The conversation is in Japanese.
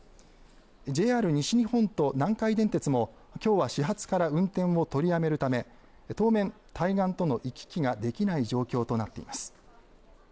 ＪＲ西日本と南海電鉄もきょうは始発から運転を取りやめるため当面、対岸との行き来ができない状況となっています。